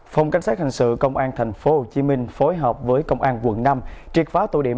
phòng cảnh sát hành sự công an thành phố hồ chí minh phối hợp với công an quận năm triệt phá tụ điểm